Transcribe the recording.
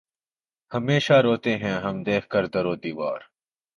ہمیشہ روتے ہیں ہم دیکھ کر در و دیوار